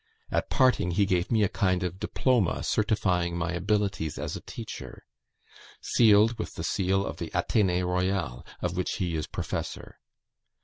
At parting he gave me a kind of diploma certifying my abilities as a teacher, sealed with the seal of the Athenee Royal, of which he is professor.